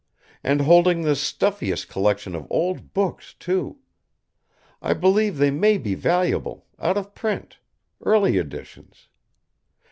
And holding the stuffiest collection of old books, too! I believe they may be valuable, out of print, early editions.